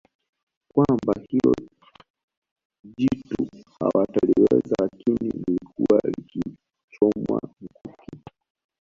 Kwamba hilo jitu hawataliweza lakini lilikuwa likichomwa mkuki